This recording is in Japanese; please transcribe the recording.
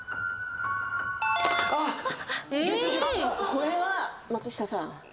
これは松下さん。